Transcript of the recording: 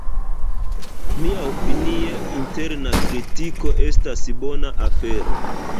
Miaopinie interna kritiko estas bona afero.